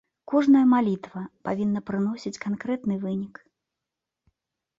Кожная малітва павінна прыносіць канкрэтны вынік.